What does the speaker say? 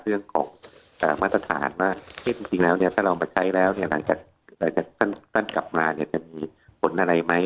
เรื่องของมาตรฐานว่าจริงแล้วเนี่ยถ้าเรามาใช้แล้วเนี่ยหลังจากท่านกลับมาเนี่ยจะมีผลอะไรไหม